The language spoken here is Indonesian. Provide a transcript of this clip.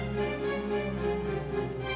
tuh kan di steve